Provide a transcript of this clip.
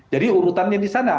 jadi urutannya di sana